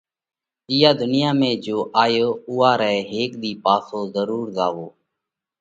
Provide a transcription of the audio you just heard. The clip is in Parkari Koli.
اِيئا ڌُنيا ۾ جيو آيو اُوئا رئہ هيڪ ۮِي وۯي پاسو ضرور زاوَو۔